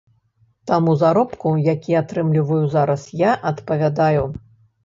Таму заробку, які атрымліваю зараз, я адпавядаю.